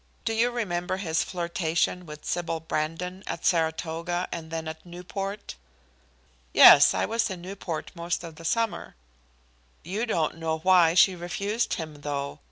Do you remember his flirtation with Sybil Brandon at Saratoga and then at Newport?" "Yes, I was in Newport most of the summer." "You don't know why she refused him, though.